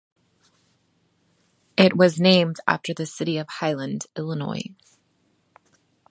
It was named after the city of Highland, Illinois.